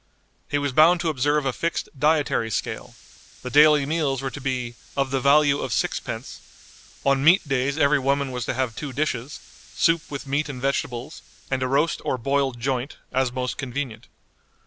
He was bound to observe a fixed dietary scale; the daily meals were to be "of the value of sixpence;" on meat days every woman was to have two dishes, soup with meat and vegetables, and a roast or boiled joint, as most convenient.